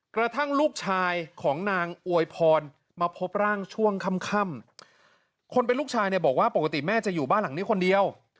กระทั่งลูกชายของนางอวยพรมาพบร่างช่วงค่ำคนเป็นลูกชายเนี่ยบอกว่าปกติแม่จะอยู่บ้านหลังนี้คนเดียว